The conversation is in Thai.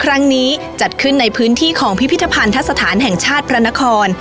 ครั้งนี้จัดขึ้นในพื้นที่ของพิพิธภัณฑสถานแห่งชาติพระนคร